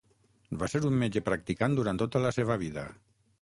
Va ser un metge practicant durant tota la seva vida.